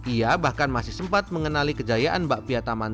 ia bahkan masih sempat mengenali kejayaan bakpia taman